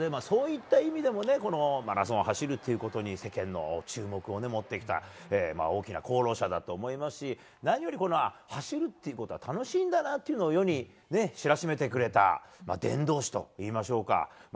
そういった意味でもマラソンを走るということに世間の注目を持ってきた大きな功労者だと思いますし何より、走るということは楽しいんだなっていうのを世に知らしめてくれた伝道師と言いましょうか。